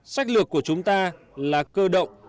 sách lược của chúng ta là cơ động